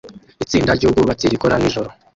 Itsinda ryubwubatsi rikora nijoro